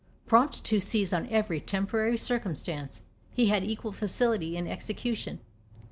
Prompt to seize on every temporary circumstance, he had equal facility in execution.